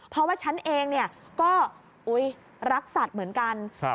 เพราะว่าฉันเองเนี่ยก็อุ๊ยรักสัตว์เหมือนกัน